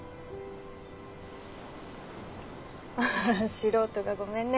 素人がごめんね。